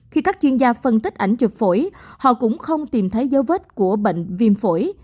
khi các chuyên gia phân tích ảnh chụp phổi họ cũng không tìm thấy dấu vết của bệnh viêm phổi